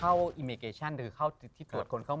พี่ยังไม่ได้เลิกแต่พี่ยังไม่ได้เลิก